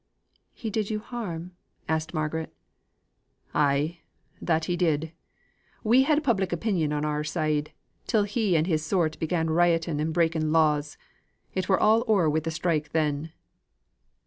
"He did you harm?" asked Margaret. "Aye, that did he. We had public opinion on our side, till he and his sort began rioting and breaking laws. It were all o'er wi' the strike then."